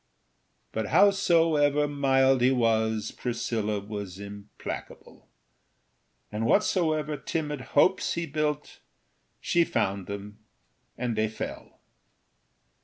But howsoever mild he was Priscilla was implacable; And whatsoever timid hopes He built she found them, and they fell.